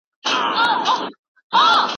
تاسو باید د مقالي لپاره یوه نوې نقشه جوړه کړئ.